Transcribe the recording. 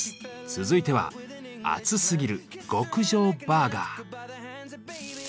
続いては「アツすぎる！極上バーガー」。